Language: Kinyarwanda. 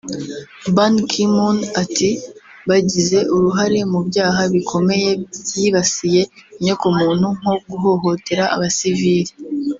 Ban Ki-moon ati“ Bagize uruhare mu byaha bikomeye byibasiye inyoko muntu nko guhohotera Abasivili